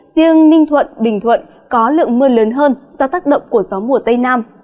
riêng ninh thuận bình thuận có lượng mưa lớn hơn do tác động của gió mùa tây nam